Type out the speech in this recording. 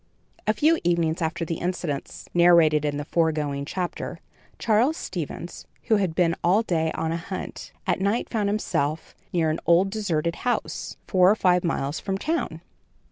A few evenings after the incidents narrated in the foregoing chapter, Charles Stevens, who had been all day on a hunt, at night found himself near an old deserted house, four or five miles from town.